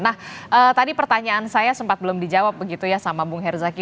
nah tadi pertanyaan saya sempat belum dijawab begitu ya sama bung herzaki